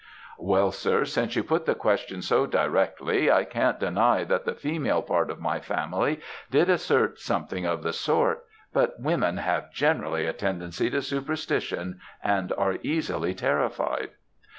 "'Well, sir, since you put the question so directly, I can't deny that the female part of my family did assert something of the sort; but women have generally a tendency to superstition, and are easily terrified.'